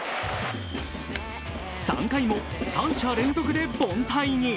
３回も三者連続で凡退に。